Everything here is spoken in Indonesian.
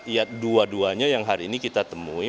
ya dua duanya yang hari ini kita temui